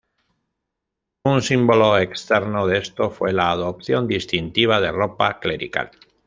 Un símbolo externo de esto fue la adopción distintiva de ropa clerical.